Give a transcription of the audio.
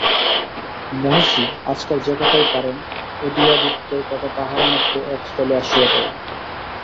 মহিষী আজকাল যে কথাই পাড়েন, উদয়াদিত্যের কথা তাহার মধ্যে এক স্থলে আসিয়া পড়ে।